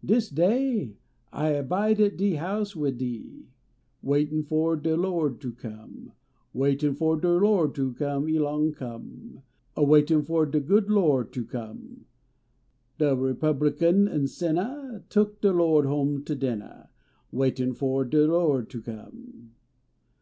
146 Dis day I abide at de house \vid thee," Waitin fo de Lo d ter come. Waitin fo de Lo d ter come elong come, A waitin fo de good Lo d ter come, De republican an sinnah, Took de Lo d home to dinnali, Waitin fo de Lo d ter come.